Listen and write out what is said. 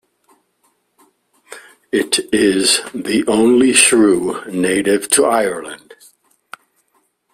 It is the only shrew native to Ireland.